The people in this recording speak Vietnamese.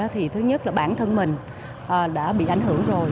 thì thứ nhất là bản thân mình đã bị ảnh hưởng rồi